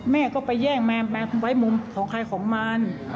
แม่ก็ไปแย่งแมมไว้มุมของใครของมัน